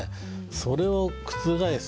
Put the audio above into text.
それを覆す